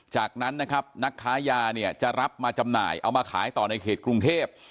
จากนั้นนะครับนักค้ายาเนี่ยจะรับมาจำหน่ายเอามาขายต่อในเขตกรุงเทพ